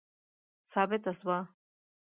ثابته سوه.